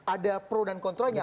ada pro dan kontrolnya